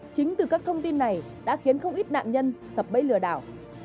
chính từ các thông tin này đã khiến không ít nạn nhân sập bẫy lừa đảo